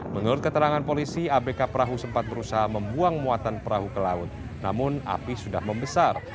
menurut keterangan polisi abk perahu sempat berusaha membuang muatan perahu ke laut namun api sudah membesar